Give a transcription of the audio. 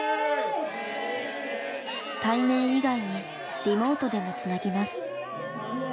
対面以外にリモートでもつなぎます。